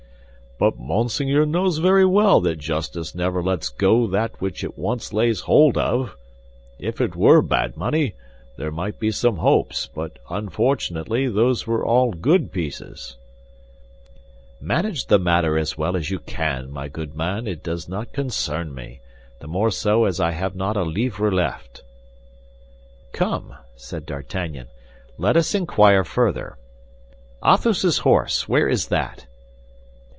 "But Monseigneur knows very well that justice never lets go that which it once lays hold of. If it were bad money, there might be some hopes; but unfortunately, those were all good pieces." "Manage the matter as well as you can, my good man; it does not concern me, the more so as I have not a livre left." "Come," said D'Artagnan, "let us inquire further. Athos's horse, where is that?"